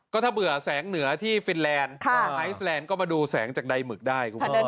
ก็ถ้าเบื่อแสงเหนือที่ฟินแลนด์ไอซแลนด์ก็มาดูแสงจากใดหมึกได้คุณผู้ชม